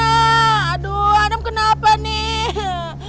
aduh adam kenapa nih